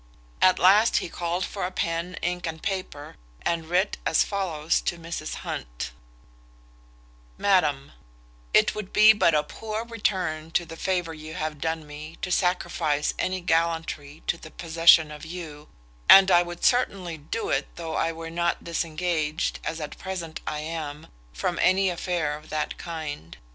At last he called for pen, ink, and paper, and writ as follows to Mrs Hunt: "MADAM, "It would be but a poor return to the favour you have done me to sacrifice any gallantry to the possession of you, and I would certainly do it, though I were not disengaged, as at present I am, from any affair of that kind.